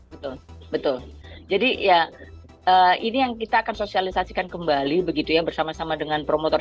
betul betul jadi ya ini yang kita akan sosialisasikan kembali begitu ya bersama sama dengan promotor